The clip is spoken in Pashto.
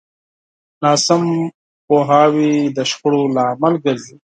ناسم پوهاوی د شخړو لامل ګرځي.